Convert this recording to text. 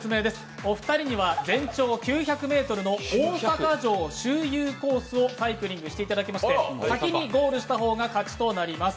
お二人には全長９００ｍの大阪城周遊コースをサイクリングしていただきまして、先にゴールした方が勝ちとなります。